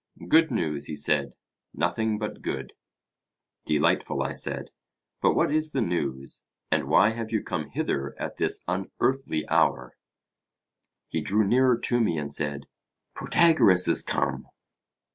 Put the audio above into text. Good news, he said; nothing but good. Delightful, I said; but what is the news? and why have you come hither at this unearthly hour? He drew nearer to me and said: Protagoras is come.